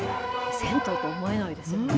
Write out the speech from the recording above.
銭湯と思えないですよね。